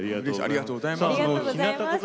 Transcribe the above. ありがとうございます。